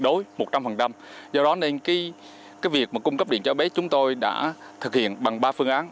đối một trăm linh do đó nên việc cung cấp điện cho apec chúng tôi đã thực hiện bằng ba phương án